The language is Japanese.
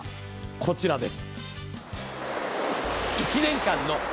こちらです。